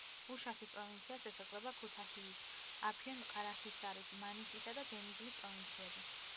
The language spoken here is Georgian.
უშაქის პროვინციას ესაზღვრება ქუთაჰიის, აფიონ-ყარაჰისარის, მანისისა და დენიზლის პროვინციები.